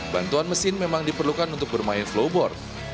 bantuan mesin memang diperlukan untuk bermain flowboard